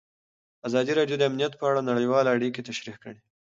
ازادي راډیو د امنیت په اړه نړیوالې اړیکې تشریح کړي.